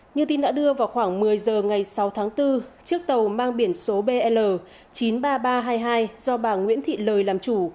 như tin đã đưa vào khoảng một mươi giờ ngày sáu tháng bốn chiếc tàu mang biển số bl chín mươi ba nghìn ba trăm hai mươi hai do bà nguyễn thị lời làm chủ